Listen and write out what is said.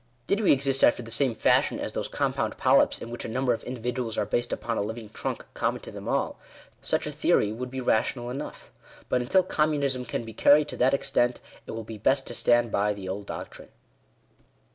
Did we exist after the same fashion as those compound polyps, in which a number of individuals are based upon a living trunk common to them all, such a theory would be rational enough. But until Communism can be carried to that extent, it will be best to stand by the old doctrine.